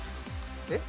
えっ？